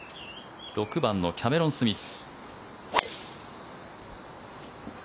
６番のキャメロン・スミス。